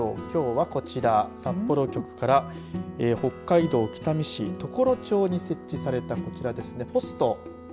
きょうはこちら、札幌局から北海道北見市常呂町に設置されたこちらですね、ポスト。